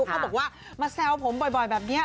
เขาบอกว่ามาแซวผมบ่อยแบบนี้